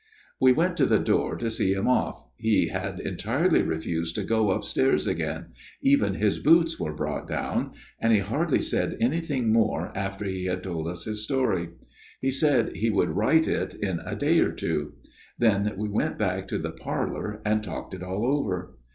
" We went to the door to see him off he had entirely refused to go upstairs again ; even his boots were brought down and he hardly said anything more after he had told us his story ; 232 A MIRROR OF SHALOTT * he said he would write in a day or two. Then we went back to the parlour and talked it all over.